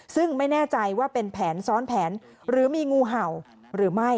ซึ่งไม่แน่ใจว่าเป็นแผนซ้อนแผนหรือมีงูเห่าหรือไม่